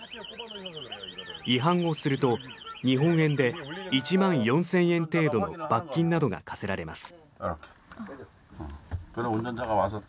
違反をすると日本円で１万４０００円程度の罰金などが科せられます。